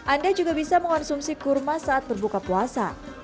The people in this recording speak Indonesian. anda juga bisa mengonsumsi kurma saat berbuka puasa